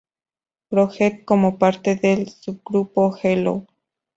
Project como parte del subgrupo Hello!